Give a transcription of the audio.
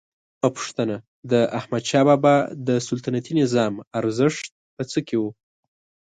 دویمه پوښتنه: د احمدشاه بابا د سلطنتي نظام ارزښت په څه کې و؟